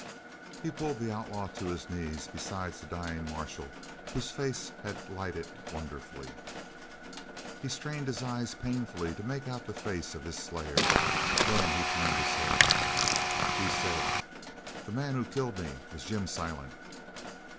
He pulled the outlaw to his knees beside the dying marshal whose face had lighted wonderfully. He strained his eyes painfully to make out the face of his slayer. Then he turned his head. He said: "The man who killed me was Jim Silent."